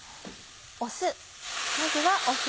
酢。